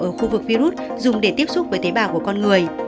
ở khu vực virus dùng để tiếp xúc với tế bào của con người